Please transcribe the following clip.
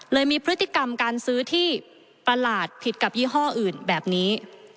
มีพฤติกรรมการซื้อที่ประหลาดผิดกับยี่ห้ออื่นแบบนี้